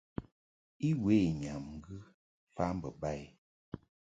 I we nyam ŋgɨ mfa mbo ba i.